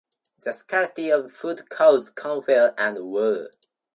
The scarcity of food caused conflict and war.